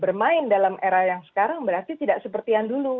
bermain dalam era yang sekarang berarti tidak seperti yang dulu